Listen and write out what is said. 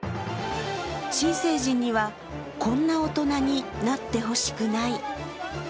新成人にはこんな大人になってほしくない。